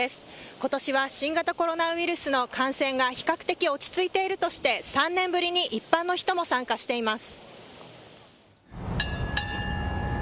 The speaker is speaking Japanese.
ことしは新型コロナウイルスの感染が比較的落ち着いているとして、３年ぶりに一般の人も参加しています。